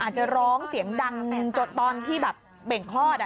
จะร้องเสียงดังจนตอนที่แบบเบ่งคลอด